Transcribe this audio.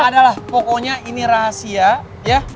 adalah pokoknya ini rahasia ya